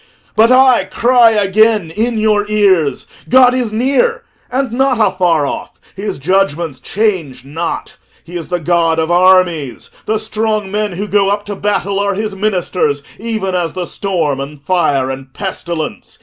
But I cry again in your ears: God is near and not afar off; his judgments change not. He is the God of armies; the strong men who go up to battle are his ministers, even as the storm, and fire, and pestilence.